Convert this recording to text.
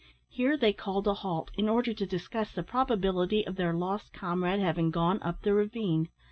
Here they called a halt, in order to discuss the probability of their lost comrade having gone up the ravine.